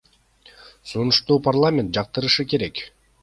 Сунушту парламент жактырышы керек.